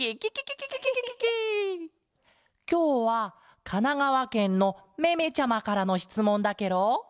きょうはかながわけんのめめちゃまからのしつもんだケロ。